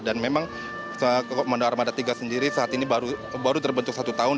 dan memang komando armada tiga sendiri saat ini baru terbentuk satu tahun